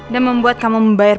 dan membuat kamu membayar